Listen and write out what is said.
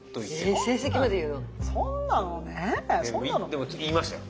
でも言いましたよ。